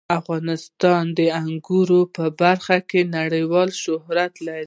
افغانستان د انګورو په برخه کې نړیوال شهرت لري.